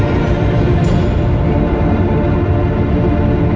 jangan lupa untuk berikan duit